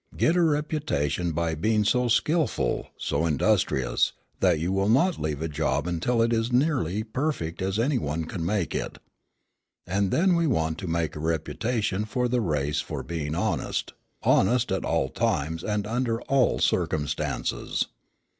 Get a reputation for being so skilful, so industrious, that you will not leave a job until it is as nearly perfect as any one can make it. And then we want to make a reputation for the race for being honest, honest at all times and under all circumstances.